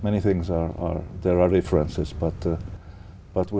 những trang trí